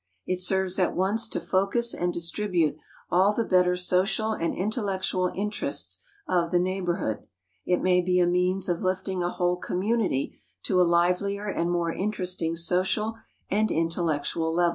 It serves at once to focus and distribute all the better social and intellectual interests of the neighborhood. It may be a means of lifting a whole community to a livelier and more interesting social and intellectual level.